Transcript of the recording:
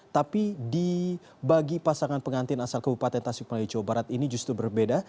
tapi di bagi pasangan pengantin asal kebupaten tasik malay jawa barat ini justru berbeda